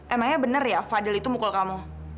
emangnya benar ya fadil itu mukul kamu